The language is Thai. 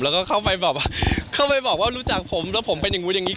แล้วก็เข้าไปบอกว่ารู้จักผมแล้วผมเป็นอย่างนู้นอย่างนี้